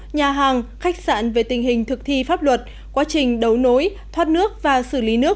nhà hàng khách sạn về tình hình thực thi pháp luật quá trình đấu nối thoát nước và xử lý nước